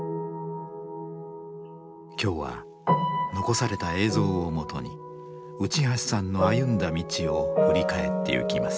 今日は残された映像をもとに内橋さんの歩んだ道を振り返ってゆきます。